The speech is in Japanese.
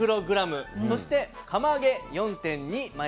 そして釜揚げ４．２μｇ。